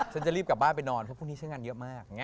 จะรีบกลับบ้านไปนอนเพราะพรุ่งนี้ฉันงานเยอะมาก